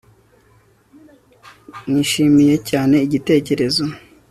Nishimiye cyane igitekerezo